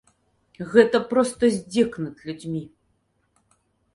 Гэта проста здзек над людзьмі.